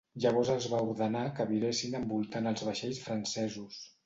Llavors els va ordenar que viressin envoltant els vaixells francesos.